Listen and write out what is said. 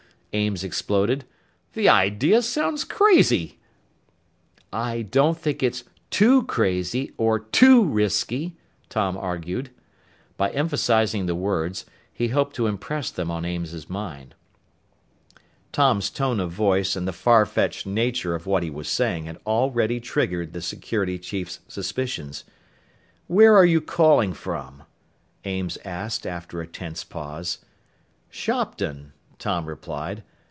Ames exploded. "The idea sounds crazy!" "I don't think it's too crazy or too risky," Tom argued. By emphasizing the words, he hoped to impress them on Ames's mind. [Illustration: "Come on! Quit stalling," the man threatened] Tom's tone of voice and the farfetched nature of what he was saying had already triggered the security chief's suspicions. "Where are you calling from?" Ames asked after a tense pause. "Shopton," Tom replied.